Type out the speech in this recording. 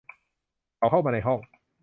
เขาเข้ามาในห้อง